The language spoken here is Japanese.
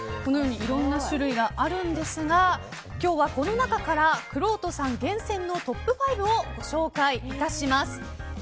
いろんな種類があるんですがあるんですが、今日はこの中からくろうとさん厳選のトップ５をご紹介致します。